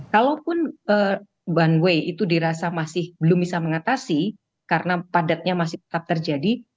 kalaupun one way itu dirasa masih belum bisa mengatasi karena padatnya masih tetap terjadi